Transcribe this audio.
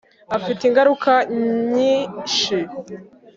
Afite ingaruka nyishi.